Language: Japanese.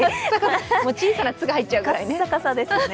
小さな「ッ」が入っちゃうくらいね。